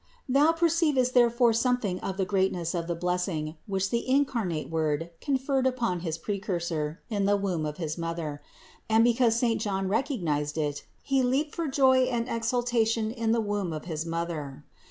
230. Thou perceivest therefore something of the greatness of the blessing, which the incarnate Word con ferred upon his Precursor in the womb of his mother; and because saint John recognized it, he leaped for joy and exultation in the womb of his mother.